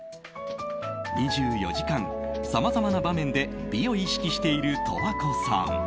２４時間、さまざまな場面で美を意識している十和子さん。